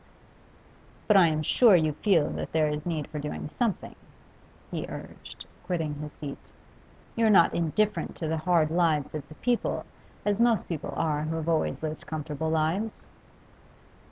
'But I'm sure you feel that there is need for doing something,' he urged, quitting his seat. 'You're not indifferent to the hard lives of the people, as most people are who have always lived comfortable lives?